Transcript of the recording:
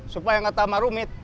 supaya gak tamar rumit